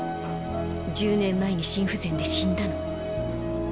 １０年前に心不全で死んだの。